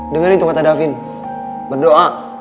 dengan itu kata davin berdoa